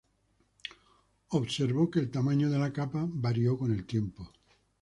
Observó que el tamaño de la capa varió con el tiempo.